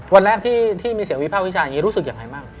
วันแรกที่มีเสียงวิภาควิจารณ์อย่างนี้รู้สึกยังไงบ้าง